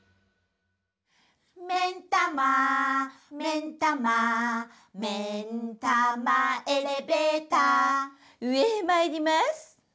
「めんたまめんたま」「めんたまエレベーター」うえへまいりまーす。